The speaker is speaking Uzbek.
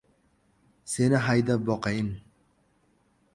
Seni haydab boqayin.